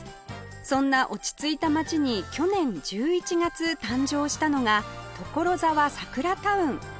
そんな落ち着いた街に去年１１月誕生したのがところざわサクラタウン